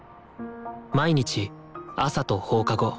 毎日朝と放課後